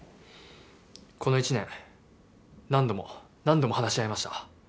この１年何度も何度も話し合いました